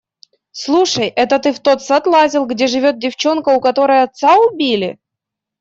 Слушай, это ты в тот сад лазил, где живет девчонка, у которой отца убили?